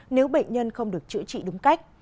nếu bệnh nhân không được chữa trị đúng cách